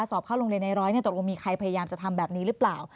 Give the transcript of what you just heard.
สอบเข้าโรงเรียนในร้อยตกลงมีใครพยายามจะทำแบบนี้หรือเปล่า